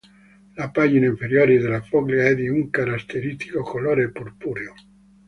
La pagina inferiore della foglia è di un caratteristico colore purpureo.